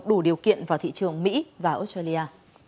đủ điều kiện vào thị trường mỹ và australia